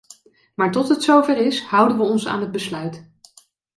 Maar tot het zover is, houden we ons aan het besluit.